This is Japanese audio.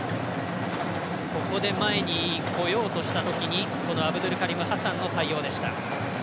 ここで前にこようとしたときにアブドゥルカリム・ハサンの対応でした。